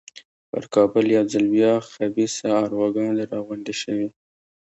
پر کابل یو ځل بیا خبیثه ارواګانې را غونډې شوې.